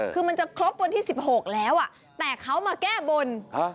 คือมันจะครบวันที่๑๖แล้วแต่เขามาแก้บน